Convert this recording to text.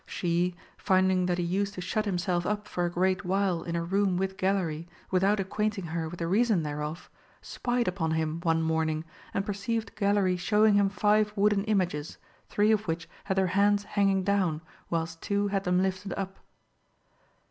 She, finding that he used to shut himself up for a great while in a room with Gallery without acquainting her with the reason thereof, spied upon him one morning, and perceived Gallery showing him five wooden images, three of which had their hands hanging down, whilst two had them lifted up.